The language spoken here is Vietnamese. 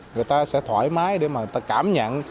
người ta sẽ thoải mái để mà người ta cảm nhận